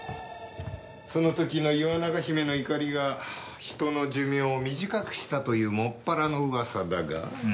その時のイワナガヒメの怒りが人の寿命を短くしたという専らの噂だが。